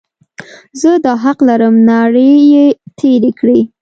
زه دا حق لرم، ناړې یې تېرې کړې.